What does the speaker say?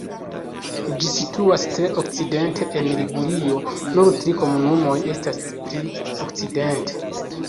Ĝi situas tre okcidente en Ligurio; nur tri komunumoj estas pli okcidente.